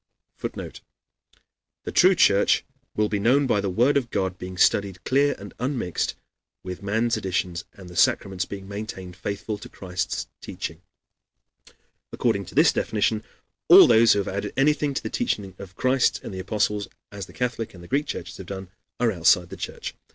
[Footnote: "The true Church will be known by the Word of God being studied clear and unmixed with man's additions and the sacraments being maintained faithful to Christ's teaching."] According to this definition all those who have added anything to the teaching of Christ and the apostles, as the Catholic and Greek churches have done, are outside the Church.